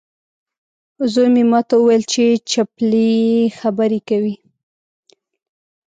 زوی مې ماته وویل چې چپلۍ یې خبرې کوي.